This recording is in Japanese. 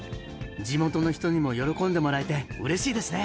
地元の人にも喜んでもらえてうれしいですね